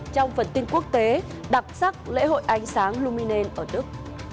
trong phần tin quốc tế đặc sắc lễ hội ánh sáng lumine ở đức